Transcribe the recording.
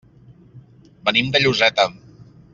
Venim de Lloseta.